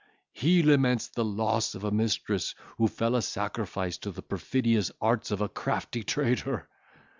He laments the loss of a mistress, who fell a sacrifice to the perfidious arts of a crafty traitor.